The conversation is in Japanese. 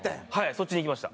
そっちにいきました。